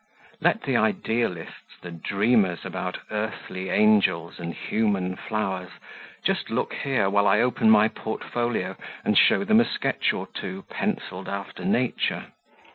Let the idealists, the dreamers about earthly angel and human flowers, just look here while I open my portfolio and show them a sketch or two, pencilled after nature.